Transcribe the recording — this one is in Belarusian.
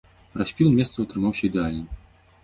Распіл месцаў атрымаўся ідэальны.